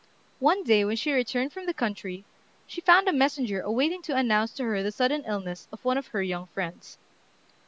One day when she returned from the country, she found a messenger awaiting to announce to her the sudden illness of one of her young friends.